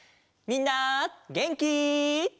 みんなげんき？